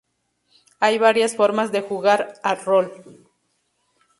Hay varias formas de jugar a rol.